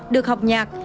được học nhạc